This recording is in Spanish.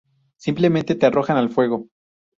Simplemente te arrojan al fuego".